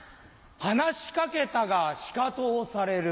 話し掛けたがシカトをされる。